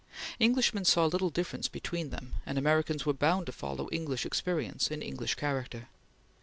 Englishmen saw little difference between them, and Americans were bound to follow English experience in English character.